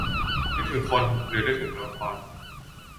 นึกถึงคน หรือนึกถึงตัวละคร ?